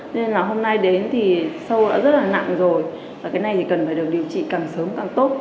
nên là hôm nay đến thì sâu đã rất là nặng rồi và cái này thì cần phải được điều trị càng sớm càng tốt